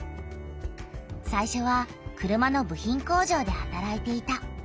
最初は車の部品工場ではたらいていた。